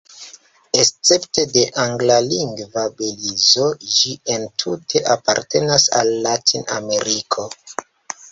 Escepte de anglalingva Belizo ĝi entute apartenas al Latin-Ameriko.